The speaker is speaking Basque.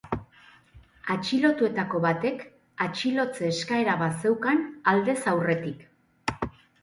Atxilotuetako batek atxilotze eskaera bat zeukan aldez aurretik.